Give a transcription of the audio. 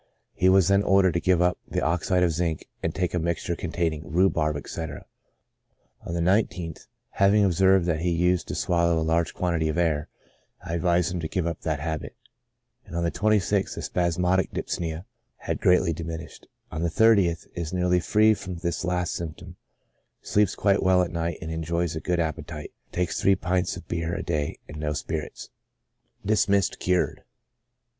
He was then ordered to give up the oxide of zinc, and take a mixture contaming rhubarb, etc. On the 19th, having observed that he used to swallow a large quantity of air, I advised him to give up that habit, and on the 26th, the spasmodic dyspnoea had greatly diminished. On the 30th, is nearly free from this last symptom, sleeps quite well at night, and enjoys a good appetite; takes three pints of beer a day and no spirits. Dismissed cured.